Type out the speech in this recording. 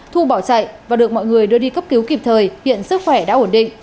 thu bỏ chạy và được mọi người đưa đi cấp cứu kịp thời hiện sức khỏe đã ổn định